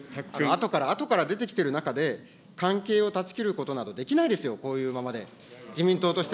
あとからあとから出てきてる中で、関係を断ち切ることなどできないですよ、こういうままで。